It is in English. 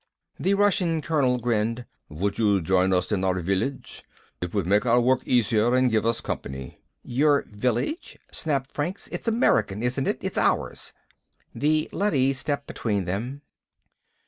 The Russian colonel grinned. "Would you join us in our village? It would make our work easier and give us company." "Your village?" snapped Franks. "It's American, isn't it? It's ours!" The leady stepped between them.